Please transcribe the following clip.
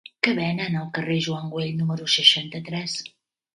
Què venen al carrer de Joan Güell número seixanta-tres?